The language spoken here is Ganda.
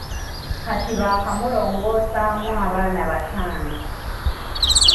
Kati baakamulongoosaamu abaana bataano.